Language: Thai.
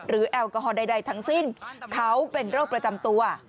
แอลกอฮอลใดทั้งสิ้นเขาเป็นโรคประจำตัว